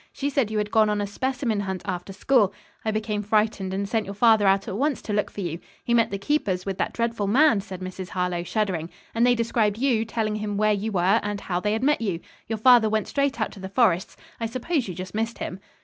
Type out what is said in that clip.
She said you had gone on a specimen hunt after school. I became frightened and sent your father out at once to look for you. He met the keepers with that dreadful man," said Mrs. Harlowe, shuddering, "and they described you, telling him where you were and how they had met you. Your father went straight out to the Forrests. I suppose you just missed him."